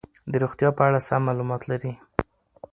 د روغتیا په اړه سم معلومات لري.